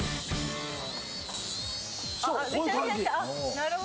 なるほど！